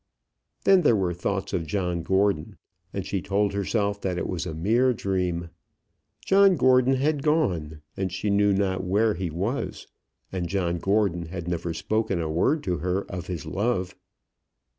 Then there were thoughts of John Gordon, and she told herself that it was a mere dream. John Gordon had gone, and she knew not where he was; and John Gordon had never spoken a word to her of his love.